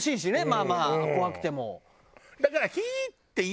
まあまあ怖くても。